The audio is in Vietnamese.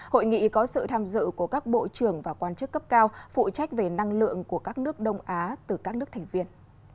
hội nghị có sự tham dự của các bộ trưởng và quan chức cấp cao phụ trách về năng lượng của các nước đông á từ các nước thành viên